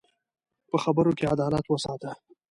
په خبرو کې عدالت وساته